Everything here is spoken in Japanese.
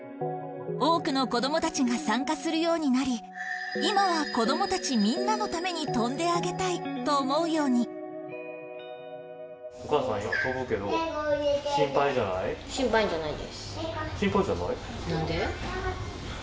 多くの子どもたちが参加するようになり今は子どもたちみんなのために飛んであげたいと思うように心配じゃない？